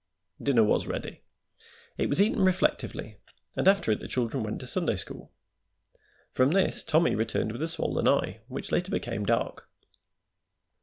Dinner was ready. It was eaten reflectively, and after it the children went to Sunday school. From this Tommy returned with a swollen eye, which later became dark.